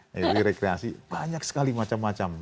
jadi rekreasi banyak sekali macam macam